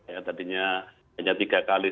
yang tadinya hanya tiga kali